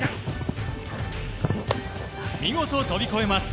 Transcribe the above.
見事、飛び越えます。